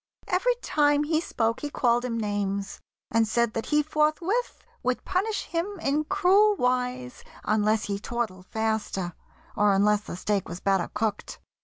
Every time He spoke he called him names, and said that he Forthwith would punish him in cruel wise Unless he tortled faster, or unless The steak was better cooked.